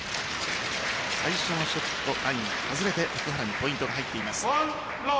最初のショットはラインを外れて奥原にポイントが入っています。